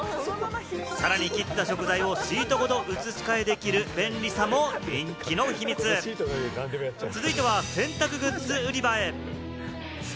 さらに切った食材をシートごと移し替えできる便利さも人気の秘密、続いては洗濯グッズ売り場へ。